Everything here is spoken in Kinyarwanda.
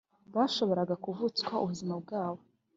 bashoboraga kuvutswa ubuzima bwabo